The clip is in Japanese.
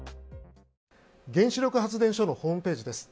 原子力発電所のホームページです。